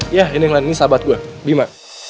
iya ini yang lain ini sahabat gua bima